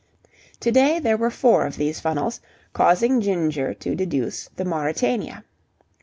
To day there were four of these funnels, causing Ginger to deduce the Mauritania.